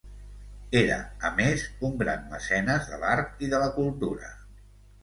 Era, a més, un gran mecenes de l'art i de la cultura.